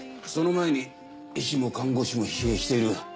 その前に医師も看護師も疲弊している。